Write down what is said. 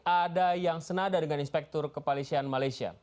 ada yang senada dengan inspektur kepolisian malaysia